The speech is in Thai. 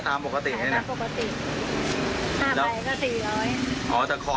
อ๋อแต่ขอให้เป็น๕ใบใช่ไหม